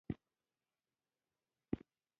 لوحه د زده کوونکو د پوهې او مهارت ثبت وه.